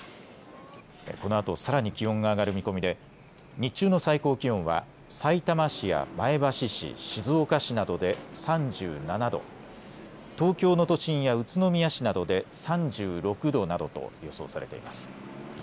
このあとさらに気温が上がる見込みで日中の最高気温はさいたま市や前橋市、静岡市などで３７度、東京の都心や宇都宮市などで３６度などと予想されています。